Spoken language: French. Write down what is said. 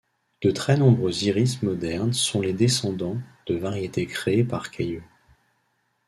De très nombreux iris modernes sont les descendants de variétés créés par Cayeux.